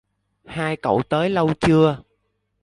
Hai cậu tới lâu chưa